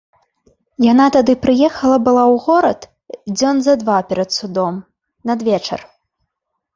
Яна тады прыехала была ў горад дзён за два перад судом, надвечар.